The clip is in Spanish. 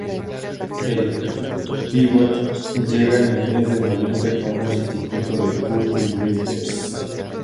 El pívot llega en el mes de noviembre como sustituto de Curtis Withers.